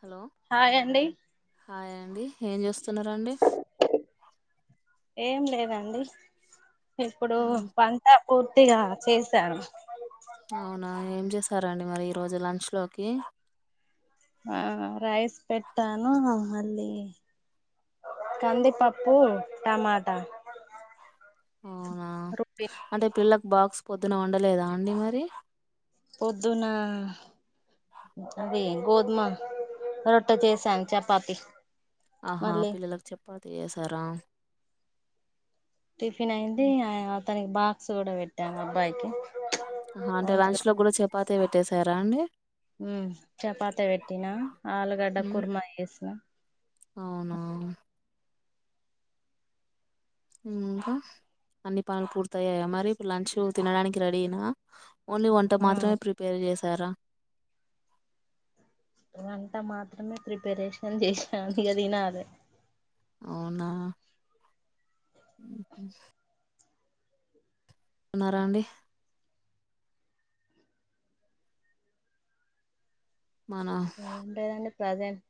Hello hi అండి hi అండి ఏం చేస్తున్నారాండి ఏం లేదండి ఇప్పుడు మ్, వంట పూర్తిగా చేశాను అవునా ఏం చేశారంండి మరి ఈ రోజు లంచ్ లోకి ఆ రైస్ పెట్టాను మళ్ళీ కందిపప్పు టమాటా అవునా రుబ్బి అంటే పిల్లలకు బాక్స్ పొద్దున వండలేదా అండి మరి పొద్దునా అది గోధుమ రొట్ట చేశాను చపాతి అహా మళ్ళీ పిల్లలకు చెపాతి చేసారా టిఫిన్ అయింది మ్, అతనికి బాక్స్ కూడా పెట్టాం అబ్బాయికి అ అంటే అందులో లంచ్ లోకి కూడా చపాతే పెట్టేశారా అండి హ్మ్ చపాతే పెట్టినా ఆలుగడ్డ మ్, కుర్మా చేసిన అవునా ఇంకా అన్ని పనులు పూర్తయ్యాయ మరి ఇప్పుడు లంచ్ తినడానికి రెడీ అయిన ఓన్లీ వంట ఆ మాత్రమే ప్రిపేర్ చేశారా వంట మాత్రమే ప్రిపరేషన్ చేసిన ఇగ తినాలే అవునా ఉన్నారా అండి మన ఉంటేదండీ ప్రెసెంట్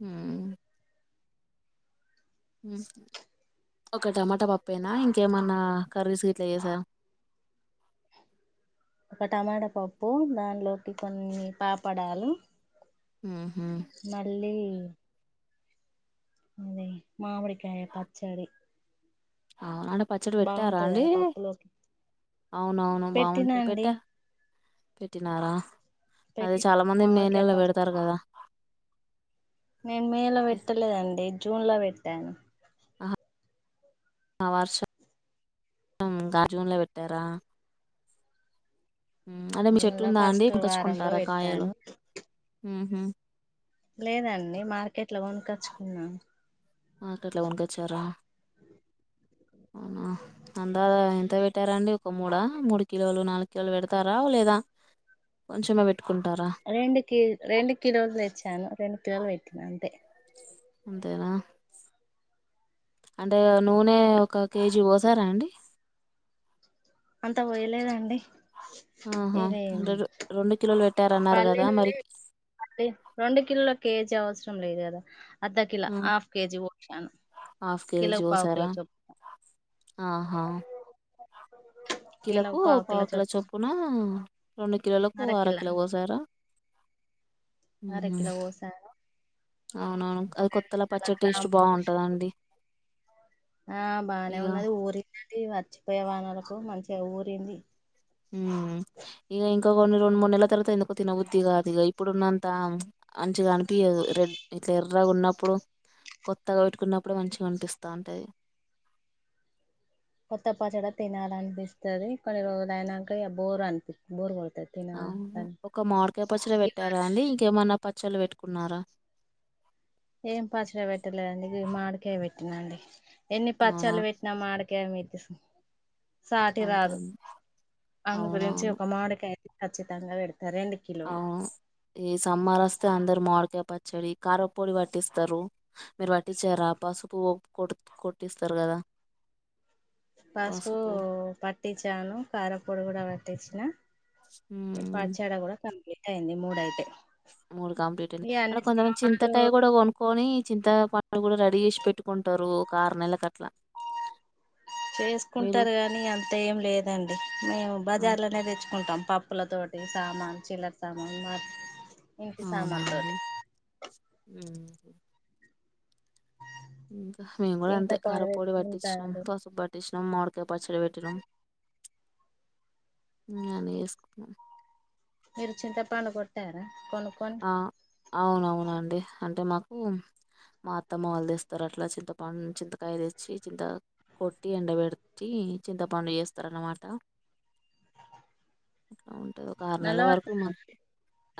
ఉ ఒక టమాటా పప్పెనా ఇంకేమన్నా కర్రీసు గిట్ల చేసావ్ ఒక టమాటా పప్పు దానిలోకి కొన్ని పాపడాలు ఉ హు మళ్ళీ అదే మామిడి కాయ పచ్చడి ఆడ పచ్చడి పెట్టారా బాగుంటది అండి కదా పప్పులోకి అవునవును పెట్టినా బాగుంటది అండి పెట్టా పెట్టినారా అదే పెట్టి చాలా మంది మే మామిడికాయ నెలలో పచ్చడి పెడతారు కదా నేను మే లో పెట్టలేదండి జూన్ లో పెట్టా అహ వర్షమ్ గా జూన్లో పెట్టారా అదే మీ జూన్ చెట్టు లో ఉందా అండి ఫస్ట్ వారంలో కోనచ్చుకుంటారా కాయలు పెట్టాను హ్మ్ లేదండి మార్కెట్ లో కొనకొచ్చుకున్నా మార్కెట్ లో కొనుకోచ్చార అవునా అందాజ ఎంత పెట్టారాండి ఒక మూడా మూడు కిలోలు నాలుగు కిలోలు పెడతారా లేదా? కొంచెమే పెట్టుకుంటార రెండు కి రెండు కిలోలు తెచ్చాను రెండు కిలోలు పెట్టిన అంతే అంతేనా అంటే నూనె ఒక కేజీ పోసారా అండి అంత పోయలేదండి ఆహా! ఉండదు రెండు కిలోలు పెట్టారన్నారు పల్లీ కదా మరి నూనె, అంటే రెండు కిలోల కేజీ అవసరం లేదు కదా అర్ధ కిలో ఆ హాఫ్ కేజీ ఓర్షాను హాఫ్ కిలో పావు కోసారా కిలో చొప్ ఆహా కిలకు పావు కిల చొప్పున రెండు కిలోలకు అర అరకిల కిలో పోసార అర కిలో వోసార అవునవును అది కొత్తల అలా పచ్చడి టేస్ట్ గ్రాములు పోసి బావుంటాదండి ఆ బానే ఉన్నది ఊరిందండి వచ్చిపోయే వానలకు మంచిగా ఊరింది హ్మ్ ఇగ ఇంక కొన్ని రెండు మూడు నెలల తర్వాత ఎందుకో తినబుద్ధి కాదు ఇగ ఇప్పుడున్నంత అంచిగ అ నిపియదు రెడ్ ఇట్ల ఎర్రగున్నపుడు కొత్తగా పెట్టుకున్నప్పుడు మంచిగా అనిపిస్త ఉంటుది కొత్త పచ్చడి తినాలి అనిపిస్తుది కొన్ని రోజు అయినాక బోర్ అనిపి బోర్ కొడుతది తినాలని ఒక మామిడి కాయ్ పచ్చడి పెట్టారా అండి ఇంకేమన్నా పచ్చళ్ళు పెట్టుకున్నారా ఏం పచ్చడి పెట్టలేదండి మాడికాయ పెట్టిన అండి ఎన్ని అవునా పచ్చలు పెట్టినా మాడికాయ [unintelligible] సాటి అంతే రాదు అండి. అందు గురించి అవునవును ఒక మాడిక ఖచ్చితంగా పెడతారండి అవును ఈ సమ్మార్ వస్తే అందరు మావిడికై పచ్చడి కారంపొడి పట్టిస్తరు మీరు పట్టించారా పసుపువ కొట్ కొట్టిస్తారు కదా పసుపూ పసుపు పట్టిచ్చాను కారంపొడి కూడా పట్టించిన మ్మ్. పచ్చడి గుడా కంప్లీట్ అయింది మూడయితే మూడు కంప్లీట్ అంది ఇగ అంటే అన్ని కొంతమంది స్నానాలు చింతకాయ కూడా కొనుక్కొని చింత పండు కూడా సి పెట్టుకుంటారు ఒక ఆరు నెలక అట్లా [unintelligible] మీరు చేసుకుంటారు గాని అంత ఏం లేదండి మేము ఆ, బజార్ లోనే తెచ్చుకుంటాం పా పప్పుల తోటి సామాన్ చిలర్ సామాన్ మ అవునా అండి హా మేము గుడా అంతే చింతపండు కారంపొడి పట్టించినాం పెట్టుకుంటారు పసుపు పట్ సినాం మూడికాయ పచ్చడి పెట్టినాం మీరు చింత పండుగొట్టారా కొనుక్కొని ఆ అవునవునండి అంటే మాకు మా అత్తమ్మవాళ్లు తెస్తారు అట్లా చింతపండు చింతకాయ తెచ్చి చింత కొట్టి ఎండబెడితీ చింతపండు చేస్తారనమాట అట్లా ఉంటది ఒక ఆరు నల్ల నెలల వరకు మ పడతాదా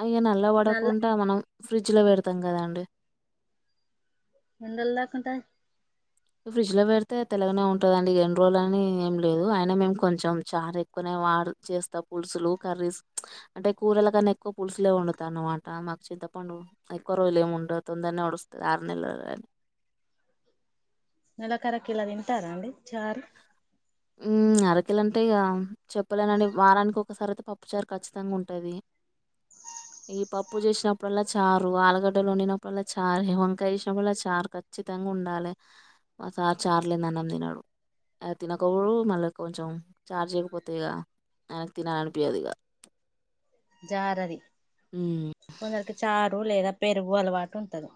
ఇగ నల్ల పడకుండా మనం ఫ్రిడ్జ్ లో పెడతం కద అండి [unintelligible] ఫ్రిడ్జ్ లో పెడితే తెలగనే ఉంటదండి ఎన్ని రోజులు అని ఏం లేదు అయినా మేము కొంచెం చార్ ఎక్కువనే వాడ చేస్తా పులుసులు కర్రీస్ అంటే కూరల కన్నా ఎక్కువ పులుసులే వండుత అన్నమాట మాకు చింతపండు ఎక్కువ రోజులు ఏం [unintelligible] నడుస్తు ఆరు నెలలు [unintelligible] నెలకరకి ఇలా తింటారా అండి చారు హ్మ్ అరకిలంటె ఇగ చెప్పలేనండి వారానికి ఒకసారి అయితే పప్పుచారు ఖచ్చితంగా ఉంటది ఈ పప్పు చేసినప్పుడల్లా చారు ఆలుగడ్డలు వండినప్పుడల్లా చారు వంకాయ చేసినప్పుడులా చారు ఖచ్చితంగా ఉండాలి మా సార్ చారులేనిదే అన్నం తినడు గౌడు మళ్ళీ కొంచెం చారు చేయకపోతే ఇక ఆయనకు తినాలనిపియదు ఇక జారది ఉమ్, కొందరికి చారు లేదా పెరుగు అలవాటు ఉంటది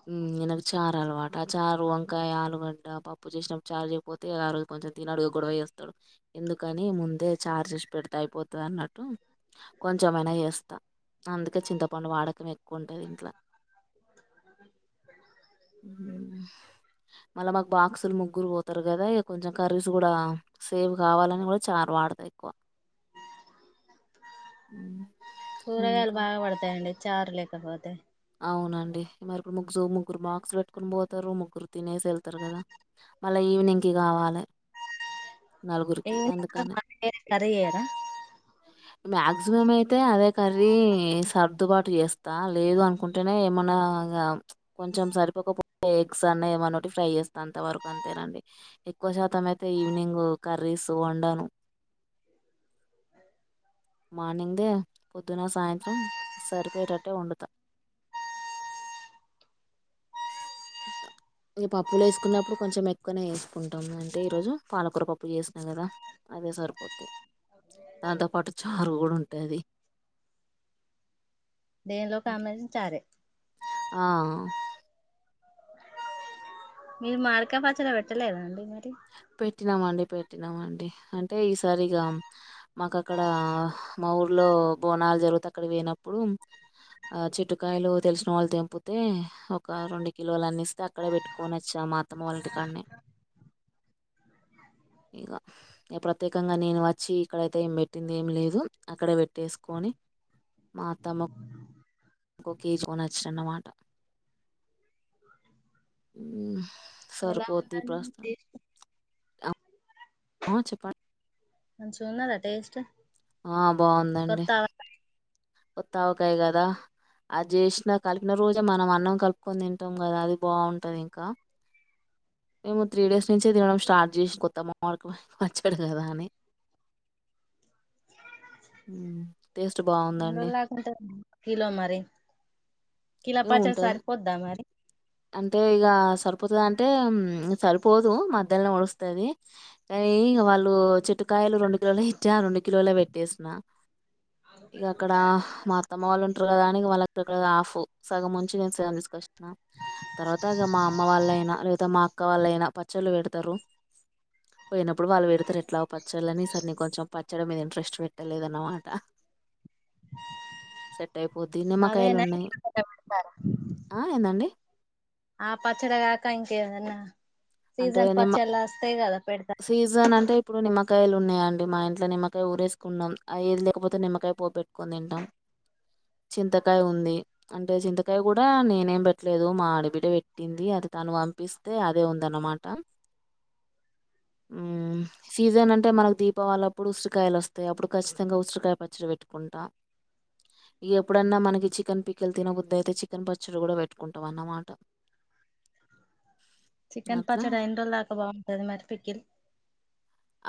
ఈనకు చారు అలవాటు ఆ చారు వంకాయ ఆలుగడ్డ పప్పు చేసినప్పుడు చారు చేయపోత్ తే ఆ రోజు కొంచెం తినడు గొడవ చేస్తాడు. ఇందుకని ముందే చారు పెడిత అయిపోతది అన్నట్టు కొంచెమైనా చేస్తా అందుకే చింతపండు వాడకం ఎక్కువ ఉంటది ఇంట్లో మళ్ళా మాకు బాక్సులు ముగ్గురు పోతారు కదా ఇక కొంచెం కర్రీస్ కూడా సేవ్ కావాలని కూడా చారు వాడతా ఎక్కువ ఉమ్. కూరగాయలు ఇంకా బాగా పడతాయండి చారు లేకపోతే అవునండి మరి ఇప్డు ముగ్రు ముగ్గురు బాక్స్లు పెట్టుకుని పోతారు ముగ్గురు తినేసి వెళ్తారు కదా మళ్ళా ఈవినింగ్కి కావాలే [inaudible] మాక్సిమం అయితే అదే కర్రీ సర్దుబాటు చేస్తా లేదు అను కుంటేనే ఏమన్నా కొంచెం సరిపోకపోతే ఎగ్స్ అన్నా ఏమన్న ఒకటి ఫ్రై చేస్తాను అంత వరకు అంతేనండి ఎక్కువ శాతం అయితే ఈవినింగ్ కర్రీస్ వండను మార్నింగ్దే పొద్దున సాయంత్రం సరిపోయటట్టే వండుతాను ఈ పప్పులు వేసుకున్నప్పుడు కొంచెం ఎక్కువనే వేసుకుంటాము అంటే ఈరోజు పాలకూర పప్పు చేసినా కదా అదే సరిపోత్ది దాంతో పాటు చారు కూడా ఉంటాది దేనిలోకి కామ్బినేషన్ చారే ఆ మీరు మామిడికాయ పచ్చడి పెడతలేదాండి మరి పెట్టినామ అండి పెట్టినామ అండి అంటే ఈసారిగా మాకు అక్కడ మా ఊర్లో బోనాలు జరుగుతాయి అక్కడ పోయినప్పుడు ఆ చెట్టుకాయలు తెలిసిన వాళ్ళు తెంపితే ఒక రెండు కిలోలు అన్నిస్తే అక్కడే పెట్టుకొని వచ్చామా అత్తమ్మ వాళ్ళ ఇంటి కాడనే ఇక ప్రత్యేకంగా నేను వచ్చి ఇక్కడైతే ఏం పెట్టింది ఏమి లేదు అక్కడే పెట్టేసుకొని మా అత్తమ్మకో కేేజికోనిచ్చినన్నమాట ఎలా సరిపోద్ది ఉందండి ప్రస్తుతం టేస్ట్ ఆ చెప్పండి మంచిగున్నదా టేస్ట్ ఆ బావుందండి కొత్త కొత్తావకాయ కదా అది చేసిన కలిపిన రోజే మనం అన్నం కలుపుకొని తింటాం కదా అది బావుంటది ఇంకా మేము త్రీ డేస్ నుంచే తినడం స్టార్ట్ చేసి కొత్తమావిడికాయ్ పచ్చడి కదా అని హ్మ్ టేస్ట్ బాగుందం ఎలా ఉంటాది కిలో మరి కిలో ఏ పచ్చడి ఉంటది సరిపోద్ధా మరి. అంటే ఇగ సరిపోతాదా అంటే సరిపోదు మధ్యలోనే ఒడుస్తాది. ఇగ వాళ్ళు చెట్టు కాయలు రెండు కిలోలే ఇట్టిన్న రెండు కిలోలే పెట్టేసిన. ఇగ అక్కడ మా. అత్తమ్మ వాళ్ళు ఉంటరు కదా అని వాళ్ళ కి ఆఫ్ సగం ఉంచి నేను సగం తీసుకొచ్చినా తర్వాతగా మా అమ్మ వాళ్ళయినా లేదా మా అక్క వాళ్ళ అయినా పచ్చళ్ళు పెడతారు పోయినప్పుడు వాళ్ళు పెడతారు ఎట్లా పచ్చాలని ఈ సారి నీ కొంచెం పచ్చడం మీద ఇంట్రెస్ట్ పెట్టలేదన్నమాట సెట్ [unintelligible] అయిపోద్ది అదే నిమ్మకాయలు నా ఉన్నాయి [unintelligible] ఆ ఏందండి ఆ పచ్చడిగాక ఇంకేదన్నా అంటే సీజన్ నిమ్మ పచ్చళ్ళు వస్తయీ కదా పెడత సీజన్ అంటే ఇప్పుడు నిమ్మకాయలు ఉన్నాయండి మా ఇంట్లో నిమ్మకాయ ఊరేసుకున్నాం అది లేకపోతే నిమ్మకాయ పోపె కొనిదింటాం [unintelligible] చింతకాయ ఉంది అంటే చింతకాయ కూడా నేనేం పెట్టలేదు మా ఆడబిడ్డ పెట్టింది అది తను పంపిస్తే అదే ఉంది దన్నమాట [unintelligible] హ్మ్ సీజన్ అంటే మనకు దీపావళి అప్పుడు ఉసిరికాయలు వస్తాయి అప్పుడు ఖచ్చితంగా ఉసిరికాయ పచ్చడి పెట్టుకుంటా [unintelligible] ఇగ ఎప్పుడన్నా మనకి చికెన్ పికెలు తిని బుద్ధి అయితే చికెన్ పచ్చడి కూడా పెట్టుకుంటాం అన్నమాట చికెన్ అట్లా పచ్చడి ఎన్నిరోజుల దాకా బాగుంటుంది మరి పికిల్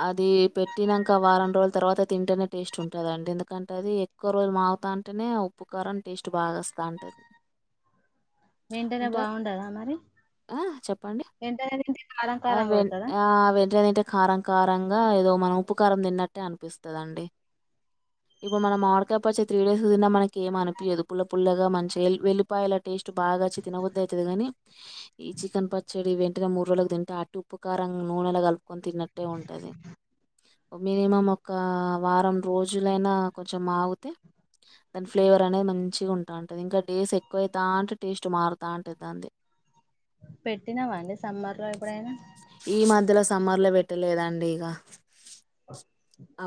అది పెట్టినాంక వారం రోజుల తర్వాత తింటేనే టేస్ట్ ఉంటదండి ఎందుకంటే అది ఎక్కువ రోజులు మాగుతా అంటేనే ఉప్పు కారం టేస్ట్ బాగావస్తా ఉంటది వెంటేనే బాగుండదా మరి ఆ చెప్పండి వెంటనే తింటే కారం అ కారం వె కొడతదా ఆ వెజ్ తింటే కారం కారంగా ఏదో మనం ఉపకారం తిన్నట్టే అనిపిస్తుందండి ఇప్పుడు మనం మామిడికాయ పచ్చడి త్రీ డేస్ ఊరినా మనకి ఏం అనిపయదు పుల్ల పుల్లగా మన వెల్లిపాయల టేస్ట్ బాగా చ్చి తినకొద్దదు అవుతుందిగాని ఈ చికెన్ పచ్చడి వెంటనే మూడు రోజులకు తింటే అటు ఉప్పు కారం నూనెలా కలుపుకొని తిన్నట్టు అట్టే ఉంటుంది మినిమం ఒక వారం రోజులైనా కొంచెం మాగితే దాని ఫ్లేవర్ అనేది మంచిగా ఉంటా ఉంటంది ఇంకా డేస్ ఎక్కువవుతా అంటే టేస్ట్ మారుతా ఉంటుంది దానిది పెట్టినవా అండి సమ్మర్ లో ఎప్పుడైనా ఈ మధ్యలో సమ్మర్లో పెట్టలేదండి ఇగ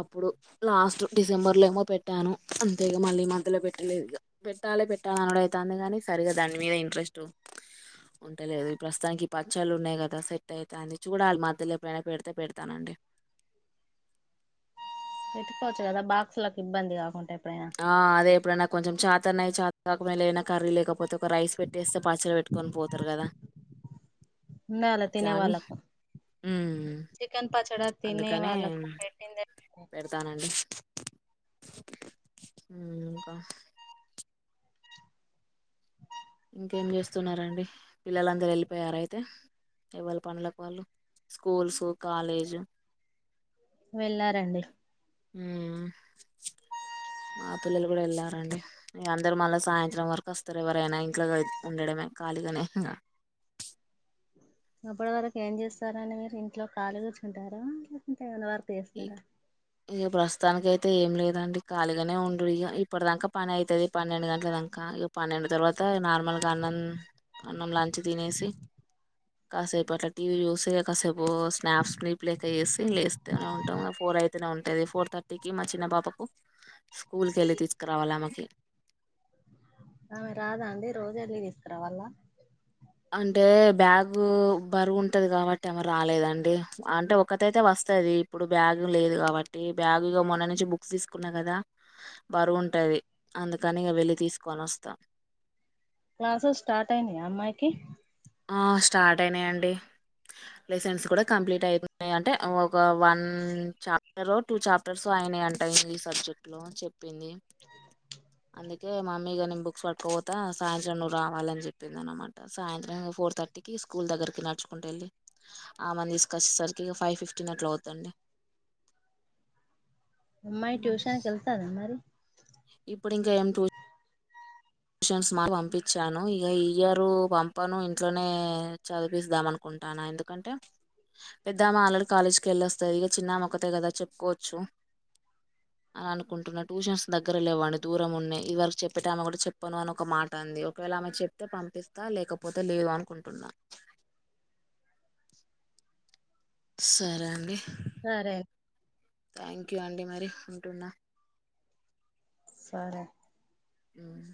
అప్పుడు లాస్ట్ డిసెంబర్లో ఏమో పెట్టాను అంతేగా ఇగ మళ్ళీ మధ్యలో పెట్టలేదు ఇగా. పెట్టాలి పెట్టాలనడు అయితందే గాని దాని మీద ఇంట్రెస్టు ఉంటాలేదు ఈ ప్రస్తుతానికి పచ్చలు ఉన్నాయి కదా సెట్ అయితంది చూడాలి మధ్యలో ఎప్పుడైనా పెడత్ అంతే పెడతానండి పెట్టుకోవచ్చు కదా బాక్స్లకు ఇబ్బంది కాకుండా ఎప్పుడైనా. ఆ అదే ఎప్పుడన్నా కొంచెం చేతనై చేతకాకపోయినా కర్రీ లేకపోతే ఒక రైస్ పెట్టేస్తే పచ్చలు పెట్టుకొని పోతారు కదా. ఉండాలా అట్లా తినే అని వాళ్ళకు ఉమ్ చికెన్ ప పచ్చడా తినే అందుకనే వాళ్ళకు పెటిందే పెడతానండి ఇంకా ఇంకేం చేస్తున్నారండి పిల్లలందరు వెళ్ళిపోయారా అయితే ఎవళ్ళ పనులకు వాళ్ళు స్కూల్సు కాలేజు వెళ్ళారండి ఉ మా పిల్లలు కూడా వెళ్ళారండి, ఇగా అందరు మళ్ళా సాయంత్రం వరకు వస్తారు ఎవరైనా ఇన్ ఇట్లాగా ఉండడమే ఖాళిగానే అప్పటి వరకు ఏం చేస్తారండి మీరు ఇంట్లో ఖాళిగా కూర్చుంటారా లేకుంటే ఏమైనా వర్క్ చేస్తారా. ఇక ప్రస్తుతానికయితే ఏం లేదండి ఖాళీగానే ఉండుడు ఇగ ఇప్పడుదంకా పని అయితది పన్నెండు గంటల దాంకా పన్నెండు తర్వాత నార్మల్గా అన్నమ్ అన్నం లంచ్ తినేసి కాసేపు అట్లా టీవీ చూసి కాసేపు స్నాప్ స్నీప్ లైతే యేసి లేస్తేనే ఉంటాం ఫోర్ అయి ఎత్తను ఉంటాది ఫోర్ థర్టీకి మా చిన్న పాపకు స్కూల్కి వెళ్ళి తీసుకురావాలా ఆమెకి. ఆమె రాదా అండి రోజు వెళ్లి తీసుకురావల్లా అంటే బ్యాగు బరువు ఉంటది కాబట్టి ఆమె రాలేదండి చ్ అంటే ఒకతైతే వస్తాది. అప్పుడు బ్యాగ్ లేదు కాబట్టి బ్యాగు ఇగో మొన్న నుంచి బుక్స్ తీసుకున్నా కదా. బరువుంటాది అందుకని ఇక వెళ్లి తీసుకొని వస్తా క్లాసెస్ స్టార్ట్ అయినాయా అమ్మాయికి ఆ స్టార్ట్ అయినాయండి లెసెన్స్ కూడా కంప్లీట్ అయిపోయినాయి అంటే ఒక వన్ చాప్టరరో టూ చాప్టర్సో అయినాయంటా ఎవరీ సబ్జెక్ట్లో. చెప్పింది అందుకే మామీగాని బుక్స్ పట్ కోత సాయంత్రం నువ్ రావాలని చెప్పింది అనమాట సాయంత్రమో ఫోర్ థర్టీకి స్కూల్ దగ్గరికి నడుచుకుంటు వెళ్ళి ఆమెని తీసుకొచ్చేసర్ కి ఫైవ్ ఫిఫ్టీన్ అట్లా అవ్వుదండి అమ్మాయి ట్యూషన్కి వెళ్తాతా మరి ఇప్పుడు ఇంకా ఏమ్ టూ టూషన్స్ మాను పంపించాను ఇక ఇయరు పంపాను ఇంట్లోనే చదిపిస్తాం అను కుంటానా ఎందుకంటే పెద్దామా ఆల్రెడీ కాలేజ్కి వెళ్లి వస్తాది ఇక చిన్నమే ఒకతే కదా చెప్పుకోవచ్చు. అని అనుకుంటున్నా ట్యూషన్స్ దగ్గర లేవ్వండి దూరం ఉన్నాయ్ ఈ వరకు చెప్పే ఆమె కూడా చెప్ పొను అని ఒక మాట అంది ఒకవేళ ఆమె చెప్తే పంపిస్తా లేకపోతే లేదు అనుకుంటున్నా. సరే అండి సరే థ్యాంక్ యూ అండి మరి ఉంటున్నా సరే ఉమ్